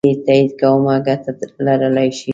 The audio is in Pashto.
نه یې تایید کومه ګټه لرلای شي.